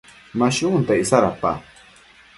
Ma shunta icsa dapa?